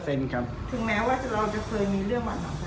ถึงแม้ว่าเราจะเคยมีเรื่องบาดหมางกัน